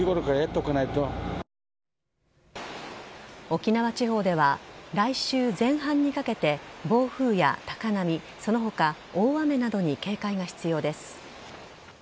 沖縄地方では来週前半にかけて暴風や高波、その他大雨などに警戒が必要です。